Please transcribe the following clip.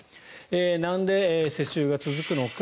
なんで世襲が続くのか。